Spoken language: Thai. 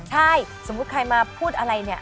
ใช่สมมุติใครมาพูดอะไรเนี่ย